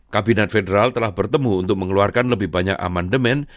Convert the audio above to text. kabinet federal telah bertemu untuk mengeluarkan lebih banyak amandemen